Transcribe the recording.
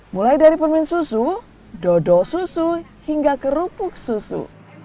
mulai dari permen susu dodo susu hingga kerupuk susu